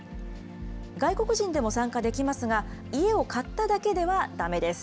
外国人でも参加できますが、家を買っただけではだめです。